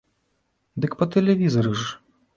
Дык па тэлевізары ж!